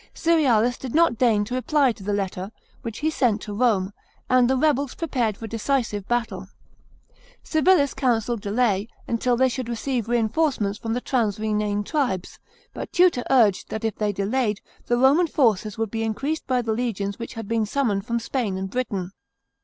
Cerealis did not deign to reply to the letter, which he sent to Rome ; and the rebels prepared for a decisive battle. Civilis counselled delay, until they should receive reinforcements from the trat>s Rhenane tribes; but Tutor urged that if they delayed, the Roman forces would be increased by the legions which had been summoned from Spain and Britain.